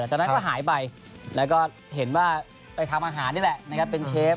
จากนั้นก็หายไปแล้วก็เห็นว่าไปทำอาหารเป็นเชฟ